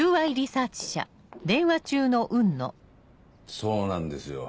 そうなんですよ